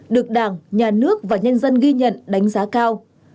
được đảng nhà nước và nhân dân ghi nhận đánh giá cao